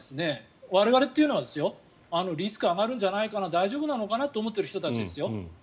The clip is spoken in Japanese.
我々っていうのはリスクが上がるんじゃないかな大丈夫なのかなと思っている人たちですよ。